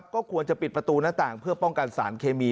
ก็ควรจะปิดประตูหน้าต่างเพื่อป้องกันสารเคมี